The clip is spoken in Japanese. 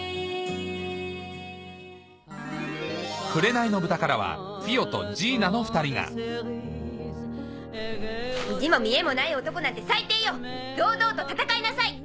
『紅の豚』からはフィオとジーナの２人が意地も見栄もない男なんて最低よ堂々と戦いなさい！